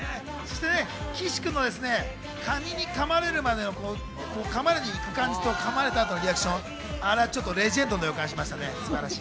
岸君のカニに噛まれるまでの噛まれにいく感じと噛まれたあとのリアクションでレジェンドな感じがしました。